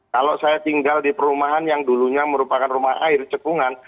kalau saya tinggal di perumahan yang dulunya merupakan rumah air cekungan